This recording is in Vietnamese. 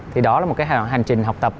thì đó là một cái hành trình học tập